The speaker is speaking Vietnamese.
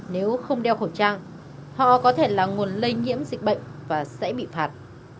nếu không đeo khẩu trang họ có thể là nguồn lây nhiễm dịch bệnh và sẽ bị phạt